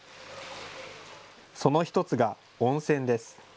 その１つが温泉です。